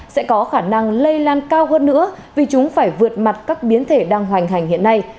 sẽ có khả năng lây lan cao hơn nữa vì chúng phải vượt mặt các biến thể đang hoành hành hiện nay